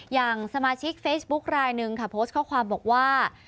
อย่างสมาชิกเฟซบุ๊คลายหนึ่งค่ะโพสต์ข้อความบอกว่า